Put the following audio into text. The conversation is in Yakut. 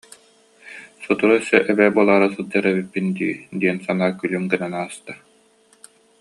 Сотору өссө эбээ буолаары сылдьар эбиппин дии» диэн санаа күлүм гынан ааста